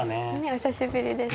お久しぶりです。